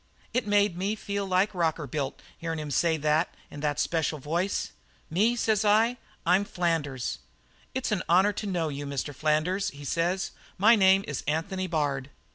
"It made me feel like Rockerbilt, hearin' him say that, in that special voice. "'Me,' says I, 'I'm Flanders.' "'It's an honour to know you, Mr. Flanders,' he says. 'My name is Anthony Bard.'